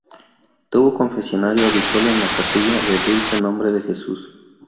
Tuvo confesionario habitual en la capilla del Dulce Nombre de Jesús.